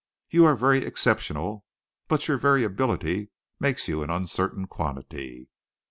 You are very exceptional, but your very ability makes you an uncertain quantity.